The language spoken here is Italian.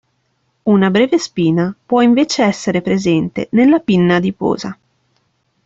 Una breve spina può invece essere presente nella pinna adiposa.